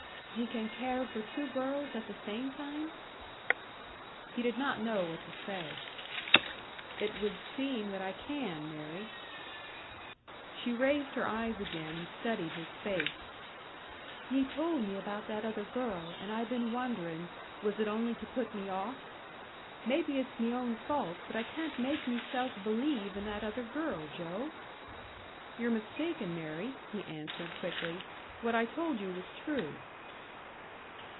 "Ye can care for two girls at the same time?" He did not know what to say. "It would seem that I can, Mary." She raised her eyes again and studied his face. "Ye told me about that other girl, and I been wonderin', was it only to put me off? Maybe it's me own fault, but I can't make meself believe in that other girl, Joe!" "You're mistaken, Mary," he answered, quickly. "What I told you was true."